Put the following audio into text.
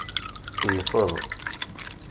Tkeyyfeḍ.